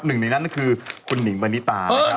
หนึ่งในนั้นก็คือคุณหิงปณิตานะครับ